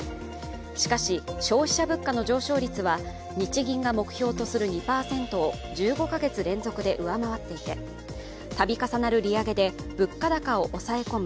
しかし、消費者物価の上昇率は日銀が目標とする２％を１５か月連続で上回っていて、度重なる利上げで物価高を抑え込む